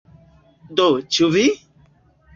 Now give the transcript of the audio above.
Do, ĉu vi?